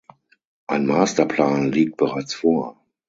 Ein Masterplan liegt bereits vor.